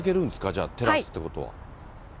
じゃあ、テラスということは。